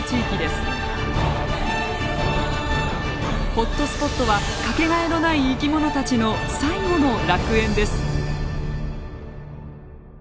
ホットスポットは掛けがえのない生き物たちの最後の楽園です。